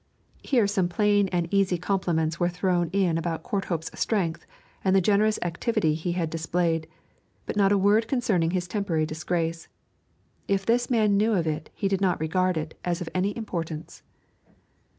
Here some plain and easy compliments were thrown in about Courthope's strength and the generous activity he had displayed, but not a word concerning his temporary disgrace; if this man knew of it he did not regard it as of any importance.